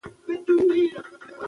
غوړي سره سول